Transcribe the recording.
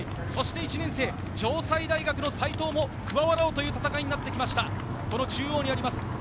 １年生、城西大学の斎藤も加わろうという戦いになってきました。